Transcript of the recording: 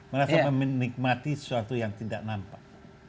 merasa menikmati sesuatu yang tidak nampak